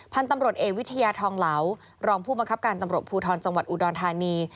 พันธุ์ตำรวจเอกวิทยาทองเหลารองผู้บังคับการตำรวจภูทรจังหวัดอุดรธานี